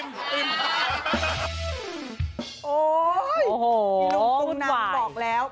โอ้โฮพี่ลูกตรงนั้นบอกแล้ว